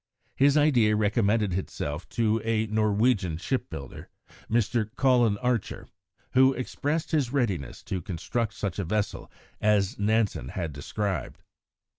His idea also recommended itself to a Norwegian shipbuilder, Mr. Colin Archer, who expressed his readiness to construct such a vessel as Nansen had described.